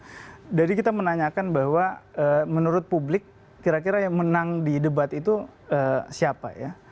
jadi kita menanyakan bahwa menurut publik kira kira yang menang di debat itu siapa ya